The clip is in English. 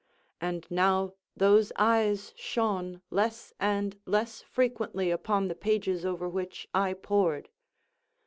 And now those eyes shone less and less frequently upon the pages over which I pored.